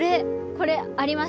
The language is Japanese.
これありました。